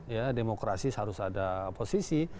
ya demokrasi harus ada oposisi